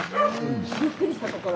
びっくりしたところ。